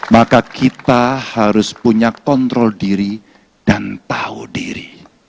maka kita harus punya kontrol diri dan tahu diri